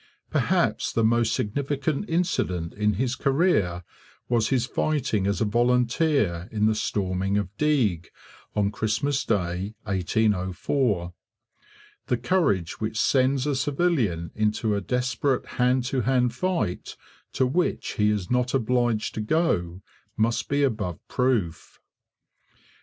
Perhaps the most significant incident in his career was his fighting as a volunteer in the storming of Deeg, on Christmas Day 1804. The courage which sends a civilian into a desperate hand to hand fight, to which he is not obliged to go, must be above proof.